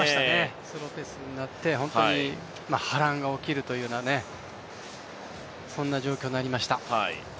スローペースになって波乱が起きるというような状況になりました。